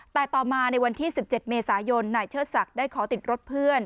แต่ต่อมาในวันที่๑๗เมษายนนายเชิดศักดิ์ได้ขอติดรถเพื่อน